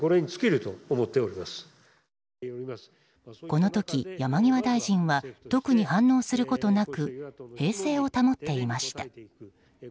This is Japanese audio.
この時、山際大臣は特に反応することなく平静を保っていました。